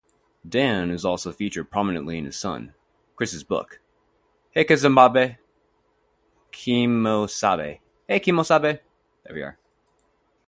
Dan is also featured prominently in his son, Chris' book, Hey Kemosabe!